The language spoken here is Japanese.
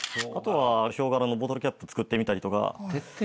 あとはヒョウ柄のボトルキャップ作ってみたりとか。